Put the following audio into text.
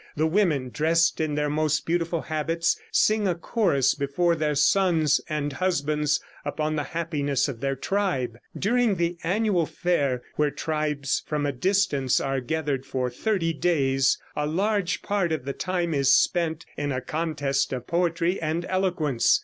The women, dressed in their most beautiful habits, sing a chorus before their sons and husbands upon the happiness of their tribe. During the annual fair, where tribes from a distance are gathered for thirty days, a large part of the time is spent in a contest of poetry and eloquence.